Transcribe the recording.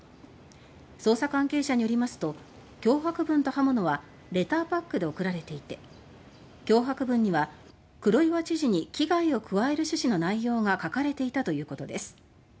捜査関係者によりますと脅迫文と刃物はレターパックで送られていて脅迫文には、黒岩知事に危害を加える趣旨の内容が書かれていたということです。